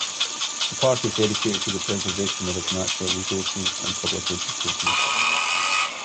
The park is dedicated to the preservation of its natural resources and public education.